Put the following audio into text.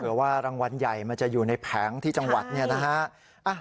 ว่ารางวัลใหญ่มันจะอยู่ในแผงที่จังหวัดเนี่ยนะฮะ